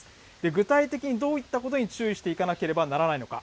具体的にどういったことに注意していかなければならないのか。